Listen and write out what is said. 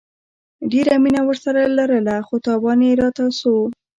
ډيره مينه ورسره لرله خو تاوان يي راته رسوو